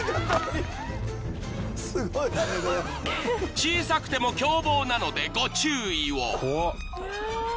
［小さくても凶暴なのでご注意を］